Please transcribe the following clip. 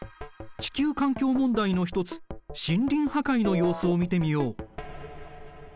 地球環境問題の一つ森林破壊の様子を見てみよう。